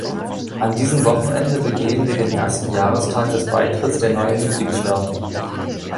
An diesem Wochenende begehen wir den ersten Jahrestag des Beitritts der neuen Mitgliedstaaten.